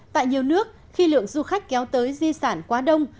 tại nhiều nước khi lượng du khách kéo tới di sản quá đông